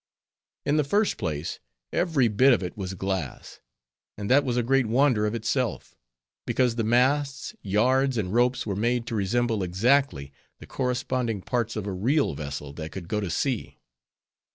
In the first place, every bit of it was glass, and that was a great wonder of itself; because the masts, yards, and ropes were made to resemble exactly the corresponding parts of a real vessel that could go to sea.